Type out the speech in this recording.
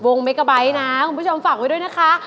เมกาไบท์นะคุณผู้ชมฝากไว้ด้วยนะคะ